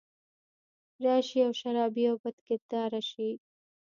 راشي او شرابي او بدکرداره شي